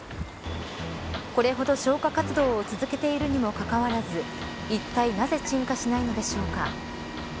これほど消火活動を続けているにもかかわらずいったいなぜ鎮火しないのでしょうか。